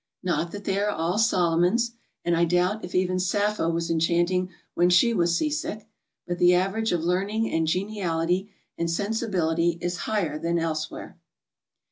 Not that they are all Solomons. And I doubt if even Sappho was enchanting when she was sea sick. But the average of learning and geniality and sensi bility is higher than elsewhere.